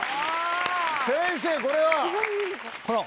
先生これは？この。